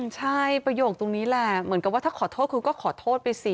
ใช่ประโยคตรงนี้แหละเหมือนกับว่าถ้าขอโทษคุณก็ขอโทษไปสิ